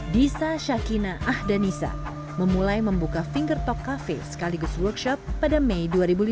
disa syakina ahad dan nisa memulai membuka fingertalk cafe sekaligus workshop pada mei dua ribu lima belas